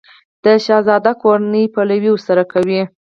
د شهزاده کورنۍ یې پلوی ورسره کوي.